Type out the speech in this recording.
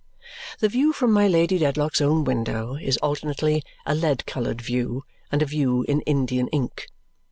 The view from my Lady Dedlock's own windows is alternately a lead coloured view and a view in Indian ink.